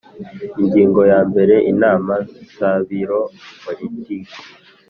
Ingingo yambere Inama za Biro politiki